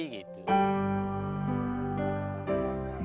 pembangunan di pembangunan